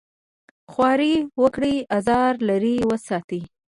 خواري وکړي ازاره لرې وساتي.